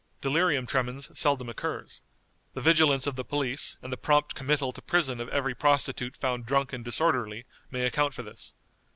Delirium tremens seldom occurs. The vigilance of the police, and the prompt committal to prison of every prostitute found drunk and disorderly, may account for this.